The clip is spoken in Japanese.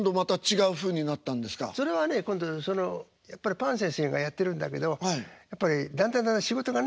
それはね今度そのやっぱりパン先生がやってるんだけどやっぱりだんだんだんだん仕事がね